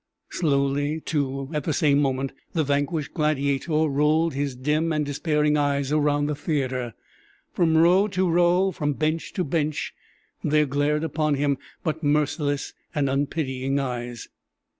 Slowly, too, at the same moment, the vanquished gladiator rolled his dim and despairing eyes around the theatre. From row to row, from bench to bench, there glared upon him but merciless and unpitying eyes.